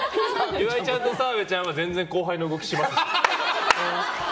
岩井ちゃんと澤部ちゃんは全然後輩の動きしますよ。